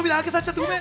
ごめんね？